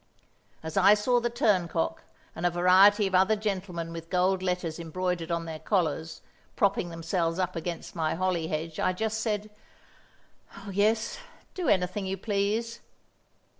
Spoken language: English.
As I saw the turncock and a variety of other gentlemen with gold letters embroidered on their collars, propping themselves up against my holly hedge, I just said, "Oh, yes; do anything you please."